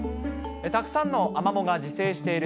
たくさんのアマモが自生している